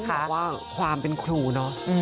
ต้องบอกว่าความเป็นครูนะ